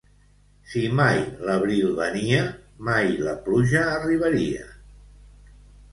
Si mai l'abril venia, mai la pluja arribaria.